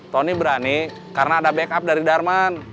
tony berani karena ada backup dari darman